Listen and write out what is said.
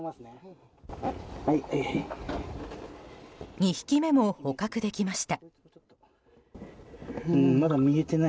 ２匹目も捕獲できました。